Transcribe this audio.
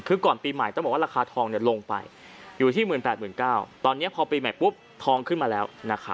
คือก่อนปีใหม่ต้องบอกว่าราคาทองลงไปอยู่ที่๑๘๙๐๐ตอนนี้พอปีใหม่ปุ๊บทองขึ้นมาแล้ว